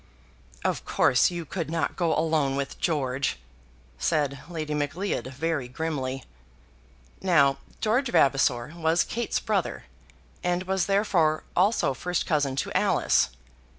"Of course you could not go alone with George," said Lady Macleod, very grimly. Now George Vavasor was Kate's brother, and was therefore also first cousin to Alice.